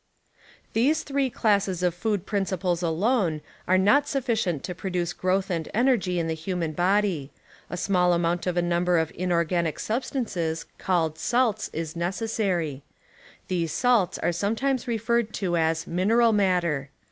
These three classes of food principles alone are not sufficient to produce growth and energy in the human body ; a small amount of a number of inorganic substances called "salts" is necessary. These sails are sometimes referred to as "viineral matter".